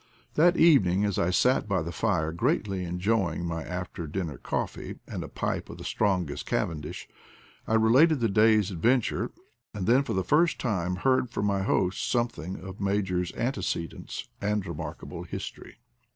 That evening a& I sat by the fire greatly enjoy ing my after dinner coffee, and a pipe of the strongest cavendish, I related the day's adven tures, and then for the first time heard from my host something of Major's antecedents and re markable history.